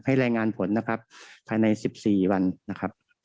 รายงานผลนะครับภายใน๑๔วันนะครับ